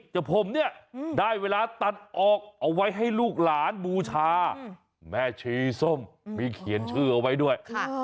แต่ผมเนี่ยได้เวลาตัดออกเอาไว้ให้ลูกหลานบูชาแม่ชีส้มมีเขียนชื่อเอาไว้ด้วย